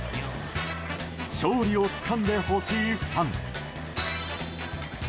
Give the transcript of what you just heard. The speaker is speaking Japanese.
勝利をつかんでほしいファン。